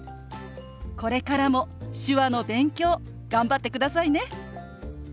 これからも手話の勉強頑張ってくださいね。